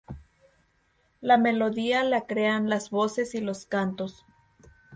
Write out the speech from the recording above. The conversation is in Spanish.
La melodía la crean las voces y los cantos.